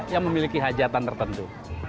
yang memiliki hajatan tertentu